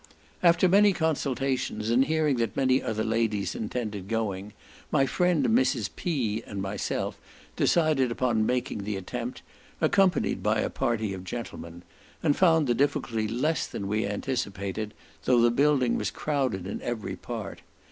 After many consultations, and hearing that many other ladies intended going, my friend Mrs. P—, and myself, decided upon making the attempt, accompanied by a party of gentlemen, and found the difficulty less than we anticipated, though the building was crowded in every part.